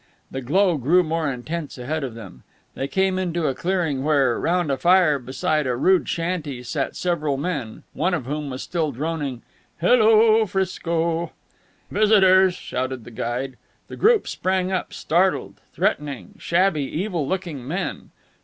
The glow grew more intense ahead of them. They came into a clearing where, round a fire beside a rude shanty, sat several men, one of whom was still droning "Hello, 'Frisco!" "Visitors!" shouted the guide. The group sprang up, startled, threatening shabby, evil looking men.